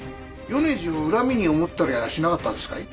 米次を恨みに思ったりはしなかったんですかい？